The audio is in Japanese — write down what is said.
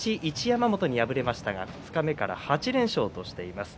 山本に敗れましたが二日目から８連勝としています。